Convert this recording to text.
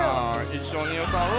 一緒に歌う？